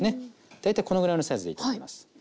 大体このぐらいのサイズでいいと思います。